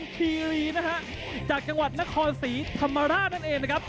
อำเภอพรมทีรีย์จากจังหวัดนครสีธรรมราชนั่นเอง